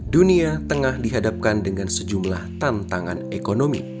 dunia tengah dihadapkan dengan sejumlah tantangan ekonomi